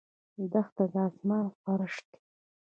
دښته د آسمان فرش دی.